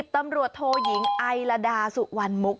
ตำรวจโทยิงไอลดาสุวรรณมุก